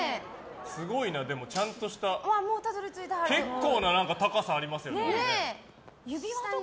すごいな、でもちゃんとした結構な高さ、ありますよね。